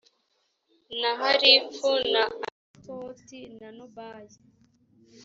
na harifu na anatoti na nobayi